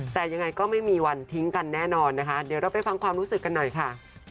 แต่ยังไงก็ไม่มีวันทิ้งกันแน่นอนนะคะเดี๋ยวเราไปฟังความรู้สึกกันหน่อยค่ะ